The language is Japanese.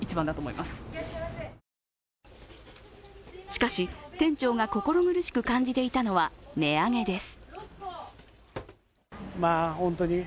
しかし、店長が心苦しく感じていたのは値上げです。